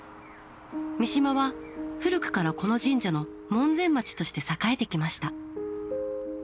三島は古くからこの神社の門前町として栄えてきました。